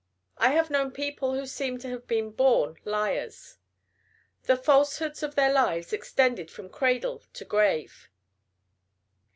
I have known people who seemed to have been born liars. The falsehoods of their lives extended from cradle to grave.